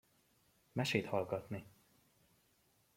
Mesét hallgatni!